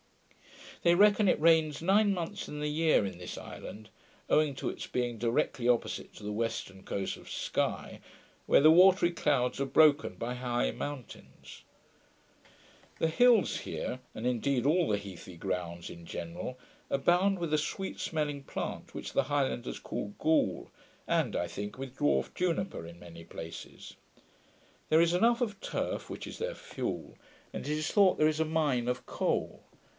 They reckon it rains nine months in the year in this island, owing to its being directly opposite to the western coast of Sky, where the watery clouds are broken by high mountains. The hills here, and indeed all the healthy grounds in general, abound with the sweet smelling plant which the highlanders call gaul, and (I think) with dwarf juniper in many places. There is enough of turf, which is their fuel, and it is thought there is a mine of coal.